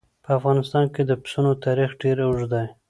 په افغانستان کې د پسونو تاریخ ډېر اوږد دی.